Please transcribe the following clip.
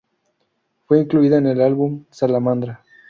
Fue incluida en el álbum ""Salamandra"".